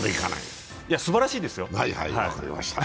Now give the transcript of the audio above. いや、すばらしいですよ。